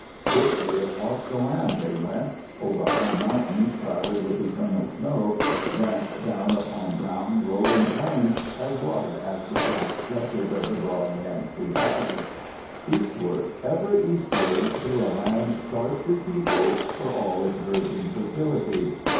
Swiftly across the land they went, over high mountains crowded with eternal snow, thence down upon brown, rolling plains as wide as the flat stretches of the broad Yangtze Valley; eastward, ever eastward, through a land sparsely peopled for all its virgin fertility.